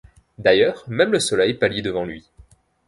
D'ailleurs, même le soleil pâlit devant lui.